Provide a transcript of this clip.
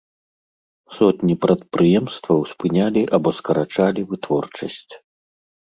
Сотні прадпрыемстваў спынялі або скарачалі вытворчасць.